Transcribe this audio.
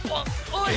おい！